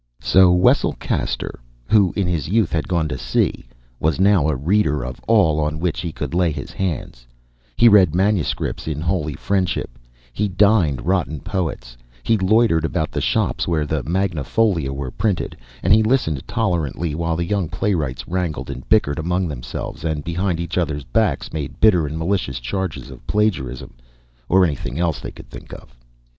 So Wessel Caxter (who in his youth had gone to sea) was now a reader of all on which he could lay his hands he read manuscripts in holy friendship; he dined rotten poets; he loitered about the shops where the Magna Folia were printed, and he listened tolerantly while the young playwrights wrangled and bickered among them selves, and behind each other's backs made bitter and malicious charges of plagiarism or anything else they could think of.